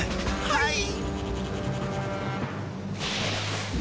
はい！